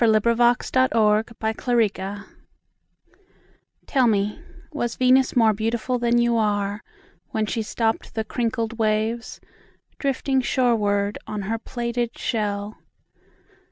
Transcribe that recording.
Venus Transiens By Amy Lowell TELL me, Was Venus more beautifulThan you are, When she stoppedThe crinkled waves, Drifting shorewardOn her plaited shell?